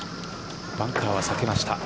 バンカーは避けました。